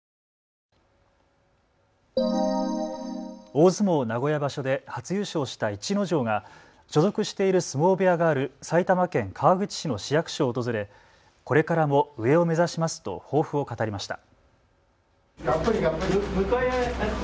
大相撲名古屋場所で初優勝した逸ノ城が所属している相撲部屋がある埼玉県川口市の市役所を訪れこれからも上を目指しますと抱負を語りました。